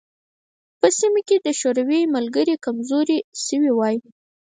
په سیمه کې د شوروي ملګري کمزوري شوي وای.